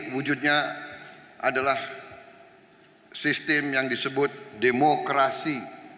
wujudnya adalah sistem yang disebut demokrasi